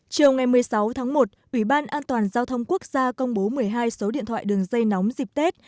chiều ngày một mươi sáu tháng một ủy ban an toàn giao thông quốc gia công bố một mươi hai số điện thoại đường dây nóng dịp tết